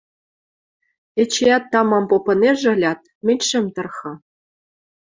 Эчеӓт тамам попынежӹ ылят, мӹнь шӹм тырхы